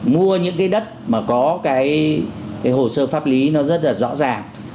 mua những cái đất mà có cái hồ sơ pháp lý nó rất là rõ ràng